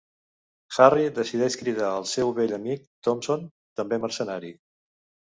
Harry decideix cridar el seu vell amic Thompson, també mercenari.